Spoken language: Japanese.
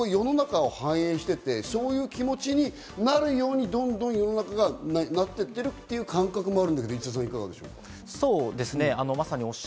これはやっぱり、ある種世の中を反映していて、そういう気持ちになるように、どんどん世の中がなっていってるっていう感覚があるんだけど、石田さん、いかがですか？